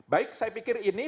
baik saya pikir ini